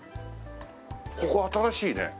ここ新しいね。